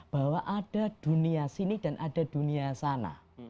bahwa ada dunia sini dan ada dunia sana